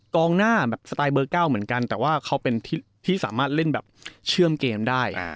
กองหน้าแบบสไตล์เบอร์๙เหมือนกันแต่ว่าเขาเป็นที่สามารถเล่นแบบเชื่อมเกมได้